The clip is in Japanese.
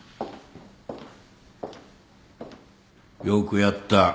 よくやった。